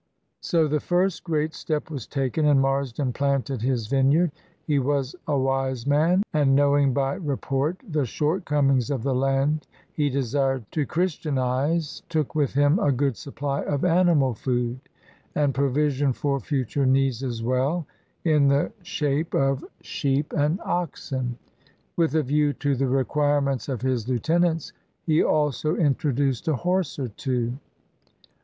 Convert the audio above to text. So the first great step was taken, and Marsden planted his vineyard. He was a wise man and, knowing by re port the shortcomings of the land he desired to chris tianize, took with him a good supply of animal food, and provision for future needs as well, in the shape of sheep and oxen. With a view to the requirements of his lieu tenants, he also introduced a horse or two.